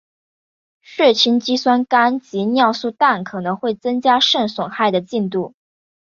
血清肌酸酐及尿素氮可能会增加肾损害的进展。